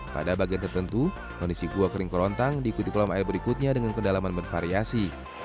pada bagian tertentu kondisi gua kering kerontang diikuti kolam air berikutnya dengan kedalaman bervariasi